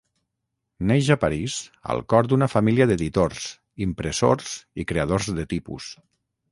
Neix a París al cor d'una família d'editors, impressors i creadors de tipus.